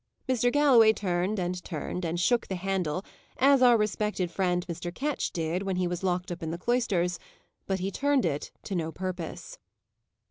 Mr. Galloway turned, and turned, and shook the handle, as our respected friend Mr. Ketch did when he was locked up in the cloisters, but he turned it to no purpose.